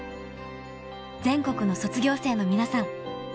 ［全国の卒業生の皆さん］